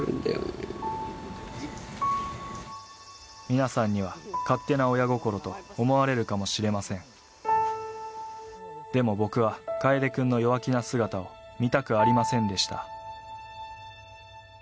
皆さんには勝手な親心と思われるかもしれませんでも僕は楓くんの弱気な姿を見たくありませんでした